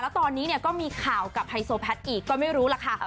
แล้วตอนนี้เนี่ยก็มีข่าวกับไฮโซแพทย์อีกก็ไม่รู้ล่ะค่ะ